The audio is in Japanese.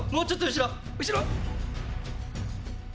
後ろ？